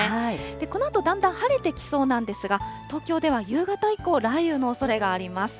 このあとだんだん晴れてきそうなんですが、東京では夕方以降、雷雨のおそれがあります。